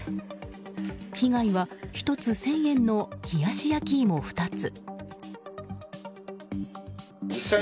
被害は１つ１０００円の冷やし焼き芋２つ。